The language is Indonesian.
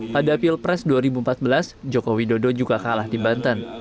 pada pilpres dua ribu empat belas joko widodo juga kalah di banten